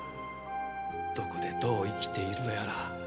「どこでどう生きているのやら」